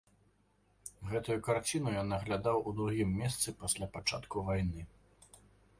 Гэтую карціну я наглядаў у другім месяцы пасля пачатку вайны.